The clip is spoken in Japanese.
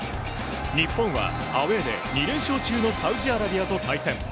日本はアウェーで２連勝中のサウジアラビアと対戦。